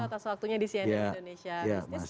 atas waktunya di cnn indonesia business